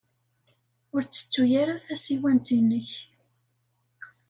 Ur ttettu ara tasiwant-nnek.